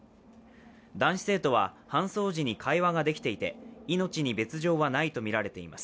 男子生徒は搬送時に会話ができていて、命に別状はないとみられています。